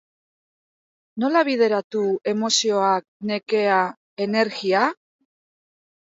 Nola bideratu emozioak, nekea, energia?